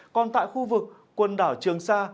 còn tại khu vực quần đảo trường sa